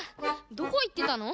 どこいってたの？